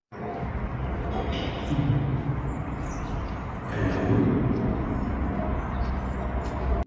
Children suffering from Acute Diseases and Accidents will be received free of charge.